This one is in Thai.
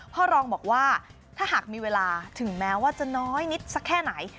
พ่อรองบอกว่าถ้าหากมีเวลาถึงแม้ว่าจะน้อยนิดสักแค่ไหน